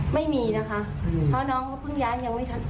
ไม่มีนะคะเพราะน้องเขาเพิ่งย้ายยังไม่ชัด